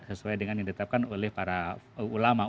sesuai dengan yang ditetapkan oleh para ulama